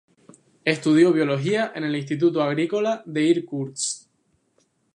Estudió biología en el Instituto Agrícola de Irkutsk.